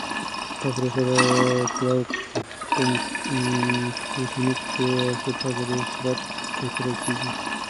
دا پروسه د کلاوډ کمپیوټینګ په واسطه په ډېر سرعت ترسره کیږي.